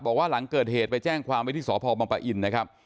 บอกว่าหลังเกิดเหตุไปแจ้งความไว้ที่สพบังปะอินนะครับ